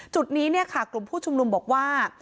จุดนี้เนี่ยค่ะกลุ่มผู้ชุมนุมบอกว่า